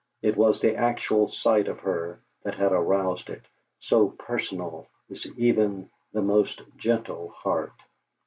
It was the actual sight of her that had aroused it, so personal is even the most gentle heart.